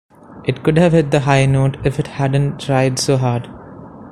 It could have hit the high note - if it hadn't tried so hard.